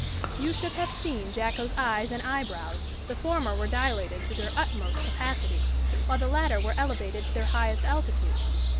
You should have seen Jacko's eyes and eyebrows! the former were dilated to their utmost capacity, while the latter were elevated to their highest altitude.